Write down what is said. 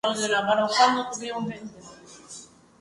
Comenzó a escribir su obra en Portugal a mediados del siglo.